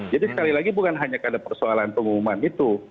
jadi sekali lagi bukan hanya pada persoalan pengumuman itu